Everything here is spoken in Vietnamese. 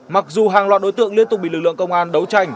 mặc dù hàng loạt đối tượng liên tục bị lực lượng công an đấu tranh